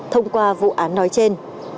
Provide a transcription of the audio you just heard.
thông qua vụ án nói trên